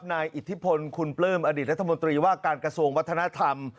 อิทธิพลคุณปลื้มอดีตรัฐมนตรีว่าการกระทรวงวัฒนธรรม